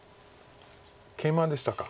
ケイマでしたか。